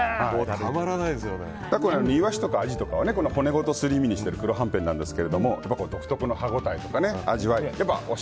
イワシとかアジとかを骨ごとすり身にしている黒はんぺんなんですけど独特の歯応えとか味わい。